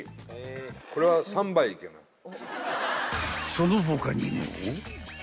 ［その他にも］